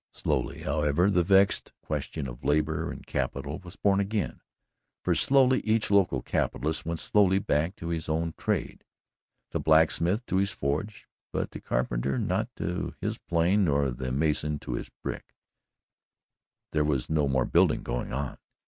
Slowly, however, the vexed question of labour and capital was born again, for slowly each local capitalist went slowly back to his own trade: the blacksmith to his forge, but the carpenter not to his plane nor the mason to his brick there was no more building going on.